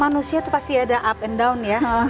manusia itu pasti ada up and down ya